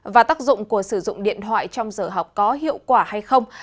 và tác dụng của sử dụng điện thoại trong giờ học có hiệu quả hay không